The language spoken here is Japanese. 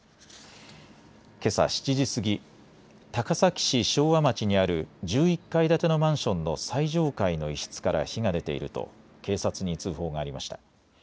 けさ７時過ぎ高崎市昭和町にある１１階建てのマンションの最上階の一室から火が出ていると警察に通報がありました。